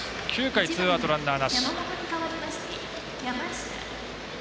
９回ツーアウト、ランナーなし。